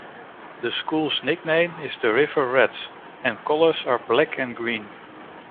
The school's nickname is the River Rats and colors are black and green.